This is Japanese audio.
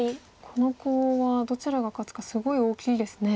このコウはどちらが勝つかすごい大きいですね。